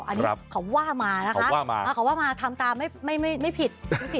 อันนี้เขาว่ามานะคะว่ามาเขาว่ามาทำตามไม่ผิด